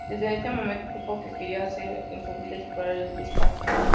Desde ese momento, supo lo que quería hacer en su vida: explorar el espacio.